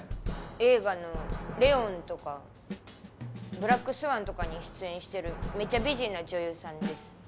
映画の『レオン』とか『ブラック・スワン』とかに出演してるめっちゃ美人な女優さんです。